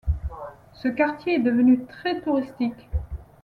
Ce quartier est devenu très touristique.